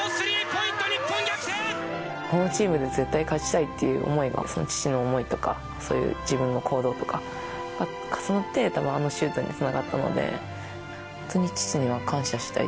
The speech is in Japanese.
このチームで絶対勝ちたいっていう想いが、父の想いとか、そういう自分の行動とかが重なって、たぶんあのシュートにつながったので、本当に父には感謝したい。